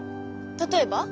例えば？